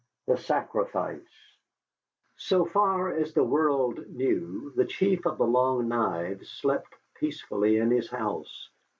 THE SACRIFICE So far as the world knew, the Chief of the Long Knives slept peacefully in his house.